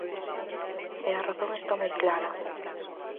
E a razón está moi clara.